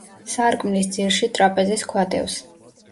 სარკმლის ძირში ტრაპეზის ქვა დევს.